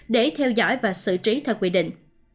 để theo dõi và xử trí theo quy định